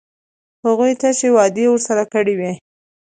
هغوی تشې وعدې ورسره کړې وې.